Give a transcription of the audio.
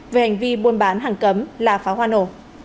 về hành vi buôn bán hàng cấm là pháo hoa nổ